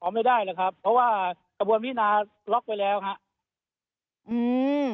ไม่ได้หรอกครับเพราะว่ากระบวนวินาล็อกไปแล้วครับอืม